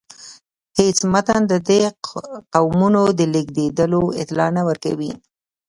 هیڅ متن د دې قومونو د لیږدیدلو اطلاع نه راکوي.